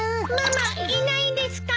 ママいないですか？